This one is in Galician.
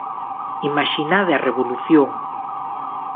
Imaxinade a revolución...